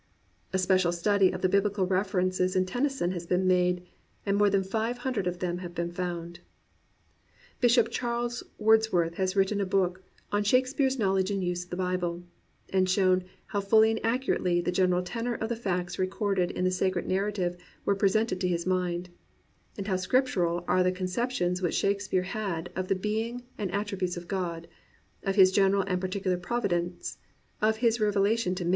A special study of the Biblical references in Tennyson has been made,* and more than five hundred of them have been found. Bishop Charles Wordsworth has written a book on Shakespeare's Knowledge and Use of the BibleyJ and shown "how fully and how accurately the general tenor of the facts recorded in the sacred narrative was present to his mind," and "how Scrip tural are the conceptions which Shakespeare had of the being and attributes of God, of His general and particular Providence, of His revelation to man, of * The Poetry of Tennyson.